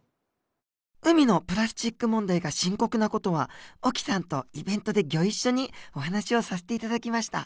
海のプラスチック問題が深刻な事は沖さんとイベントでギョ一緒にお話をさせて頂きました。